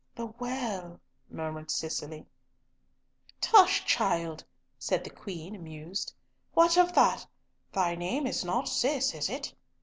"The well," murmured Cicely. "Tush, child," said the Queen, amused. "What of that? Thy name is not Cis, is it?